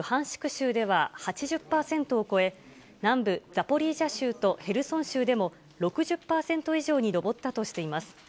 州では８０％を超え、南部ザポリージャ州とヘルソン州でも６０％以上に上ったとしています。